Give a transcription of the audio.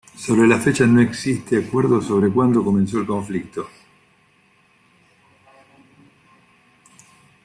Sobre a las fechas no existe acuerdo sobre cuando comenzó el Conflicto.